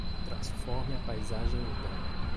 Transforme a paisagem urbana.